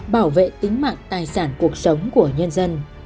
bảo vệ tính mạng tài sản cuộc sống của nhân dân